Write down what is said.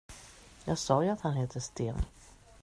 Jag sa ju att han heter Sten.